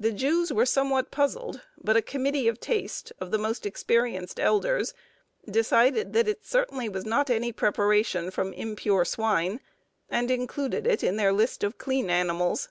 The Jews were somewhat puzzled, but a committee of taste, of the most experienced elders, decided that it certainly was not any preparation from impure swine, and included it in their list of clean animals.